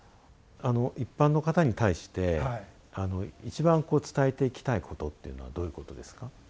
一般の方に対して一番伝えていきたいことっていうのはどういうことですか？